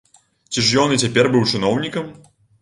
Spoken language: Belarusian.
Ці ж ён і цяпер быў чыноўнікам?